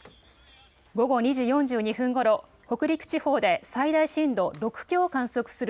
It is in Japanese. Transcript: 午後２時４２分ごろ北陸地方で最大震度６強を観測する